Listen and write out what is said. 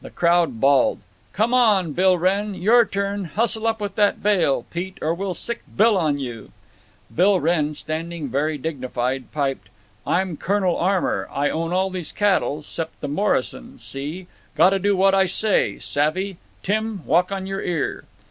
The crowd bawled: "Come on, Bill Wrenn; your turn. Hustle up with that bale, Pete, or we'll sic Bill on you." Bill Wrenn, standing very dignified, piped: "I'm Colonel Armour. I own all these cattle, 'cept the Morris uns, see? Gotta do what I say, savvy? Tim, walk on your ear."